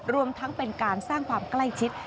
รวมทั้งเป็นการสร้างความใกล้ชิด